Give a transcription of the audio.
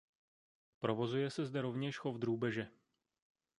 Provozuje se zde rovněž chov drůbeže.